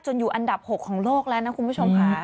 อยู่อันดับ๖ของโลกแล้วนะคุณผู้ชมค่ะ